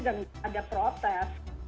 dan tidak ada protes